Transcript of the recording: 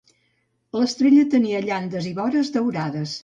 L'estrella tenia llandes i vores daurades.